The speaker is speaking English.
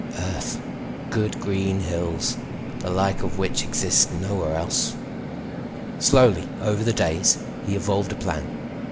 Earth. Good green hills, the like of which exists nowhere else. Slowly, over the days, he evolved a plan.